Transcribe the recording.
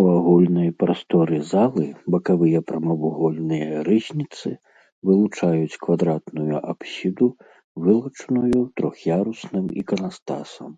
У агульнай прасторы залы бакавыя прамавугольныя рызніцы вылучаюць квадратную апсіду, вылучаную трох'ярусным іканастасам.